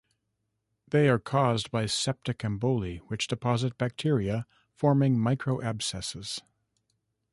They are caused by septic emboli which deposit bacteria, forming microabscesses.